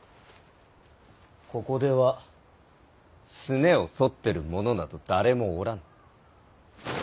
ここではすねをそってる者など誰もおらぬ。